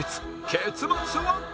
結末は？